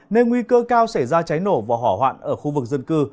nên nguy cơ cao xảy ra cháy nổ và hỏa hoạn ở khu vực dân cư